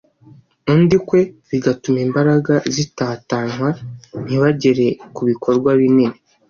undi ukwe bigatuma imbaraga zitatanywa ntibagere ku bikorwa binini